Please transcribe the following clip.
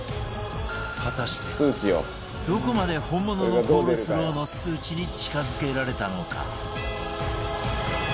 果たしてどこまで本物のコールスローの数値に近付けられたのか？